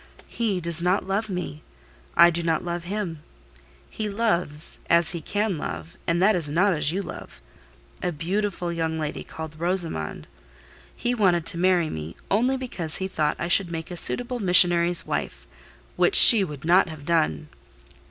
He does not love me: I do not love him. He loves (as he can love, and that is not as you love) a beautiful young lady called Rosamond. He wanted to marry me only because he thought I should make a suitable missionary's wife, which she would not have done.